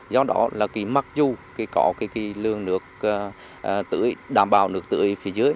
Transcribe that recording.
do đó mặc dù có lương nước tưới đảm bảo nước tưới phía dưới